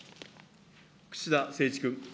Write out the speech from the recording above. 串田誠一君。